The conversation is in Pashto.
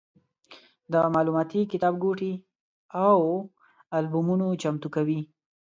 د معلوماتي کتابګوټي او البومونه چمتو کوي.